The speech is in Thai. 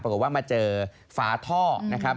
ปรากฏว่ามาเจอฝาท่อนะครับ